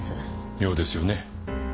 妙ですよね。